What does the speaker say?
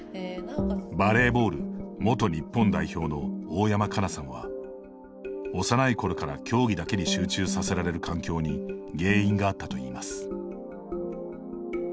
バレーボール元日本代表の大山加奈さんは、幼いころから競技だけに集中させられる環境に原因があったといいます。